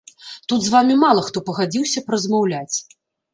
Тут з вамі мала хто пагадзіўся б размаўляць.